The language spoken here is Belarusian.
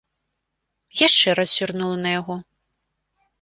Яшчэ раз зірнула на яго.